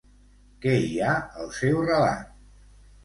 Què hi ha al seu relat?